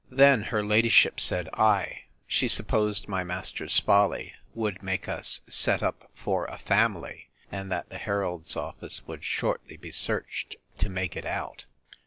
Then her ladyship said, Ay, she supposed my master's folly would make us set up for a family, and that the heralds' office would shortly be searched to make it out.